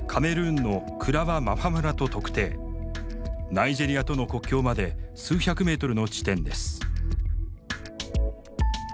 ナイジェリアとの国境まで数百メートルの地点です。